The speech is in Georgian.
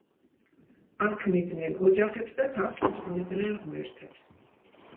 არ ქმნიდნენ ოჯახებს და თავს უძღვნიდნენ ღმერთებს.